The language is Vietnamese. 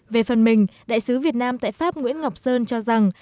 về phần mình đại sứ việt nam tại pháp nguyễn ngọc sơn cho rằng